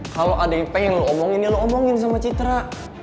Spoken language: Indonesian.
kalau ada yang pengen lo omongin ya lo omongin sama citra